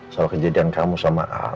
soal kejadian kamu sama a